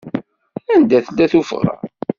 Anda tella tuffɣa?